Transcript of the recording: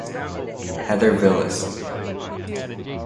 Heather Viles.